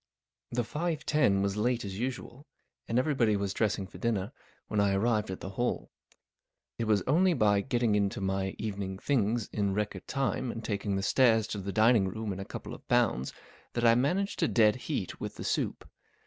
T HE five ten was late as usual, and every¬ body was dressing for dinner when I arrived at the Hall. It was only by getting into my evening things in record time and taking the stairs to the dining¬ room in a couple of bounds that I man¬ aged to dead heat with the soup.